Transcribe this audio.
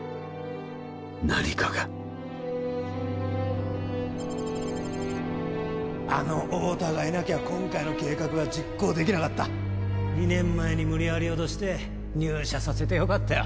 何かがあの太田がいなきゃ今回の計画は実行できなかった２年前に無理やり脅して入社させてよかったよ